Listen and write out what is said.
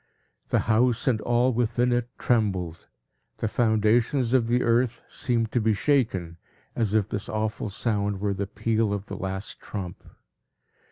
The house, and all within it, trembled; the foundations of the earth seemed to be shaken, as if this awful sound were the peal of the last trump.